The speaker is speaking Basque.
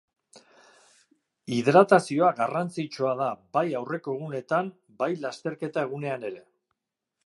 Hidratazioa garrantzitsua da bai aurreko egunetan bai lasterketa egunean ere.